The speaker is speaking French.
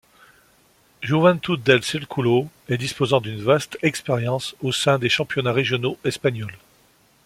Juventud del Círculo et disposant d'une vaste expérience au sein des championnats régionaux espagnols.